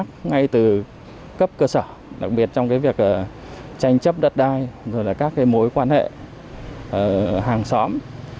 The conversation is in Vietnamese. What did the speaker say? các bác ngay từ cấp cơ sở đặc biệt trong việc tranh chấp đất đai các mối quan hệ hàng xóm